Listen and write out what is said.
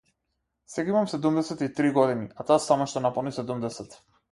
Сега имам седумдесет и три години, а таа само што наполни седумдесет.